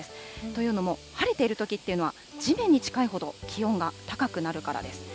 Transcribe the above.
というのも、晴れているときっていうのは、地面に近いほど気温が高くなるからです。